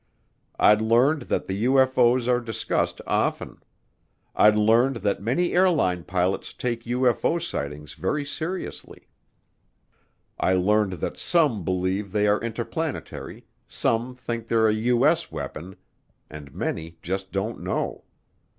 I'd learned that the UFO's are discussed often. I'd learned that many airline pilots take UFO sightings very seriously. I learned that some believe they are interplanetary, some think they're a U.S. weapon, and many just don't know.